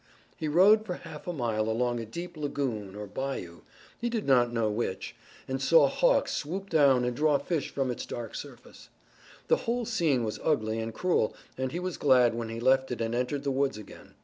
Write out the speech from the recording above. He rode for half a mile along a deep lagoon or bayou, he did not know which, and saw hawks swoop down and draw fish from its dark surface. The whole scene was ugly and cruel, and he was glad when he left it and entered the woods again.